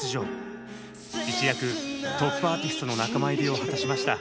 一躍トップアーティストの仲間入りを果たしました。